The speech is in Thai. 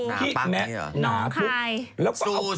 หน้าปั๊บนี้เหรอน้าพุกสูตรไว้ก่อน